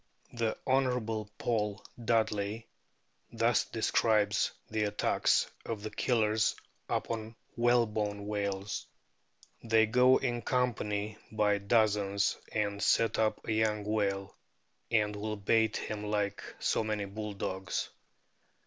The Hon. Paul Dudley* thus describes the attacks of the Killers upon whalebone whales :" They go in company by dozens and set upon a young whale, and will bait him like so many bulldogs.